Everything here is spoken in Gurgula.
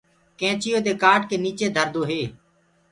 نيڪچي دي ڪآٽ ڪي نيڪچي دهردو هي۔